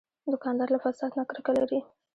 دوکاندار له فساد نه کرکه لري.